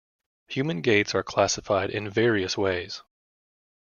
Human gaits are classified in various ways.